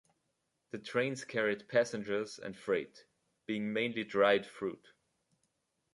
The trains carried passengers and freight, being mainly dried fruit.